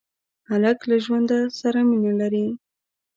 هلک له ژوند سره مینه لري.